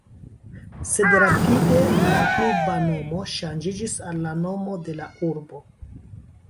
Sed rapide la kluba nomo ŝanĝiĝis al la nomo de la urbo.